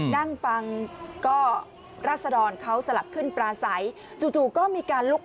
นั่งฟังก็รัสดรเขาสลับขึ้นปลาใส